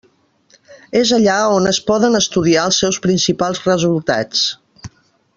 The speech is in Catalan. És allà on es poden estudiar els seus principals resultats.